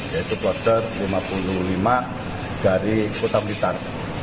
yaitu kloter lima puluh lima dari kota blitar